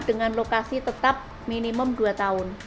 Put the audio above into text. dengan lokasi tetap minimum dua tahun